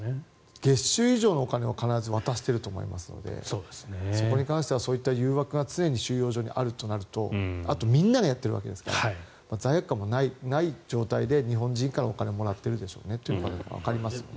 月収以上のお金を必ず渡していると思いますのでそこに関してはそういう誘惑が常にあるとなるとあとみんながやっているわけですから罪悪感もない状態で日本人からお金をもらっているというのがわかりますね。